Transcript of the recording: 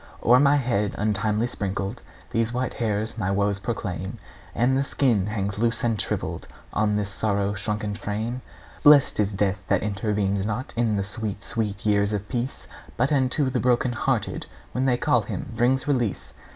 O'er my head untimely sprinkled These white hairs my woes proclaim, And the skin hangs loose and shrivelled On this sorrow shrunken frame. Blest is death that intervenes not In the sweet, sweet years of peace, But unto the broken hearted, When they call him, brings release!